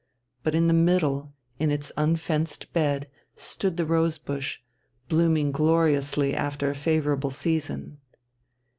But in the middle, in its unfenced bed, stood the rose bush, blooming gloriously after a favourable season.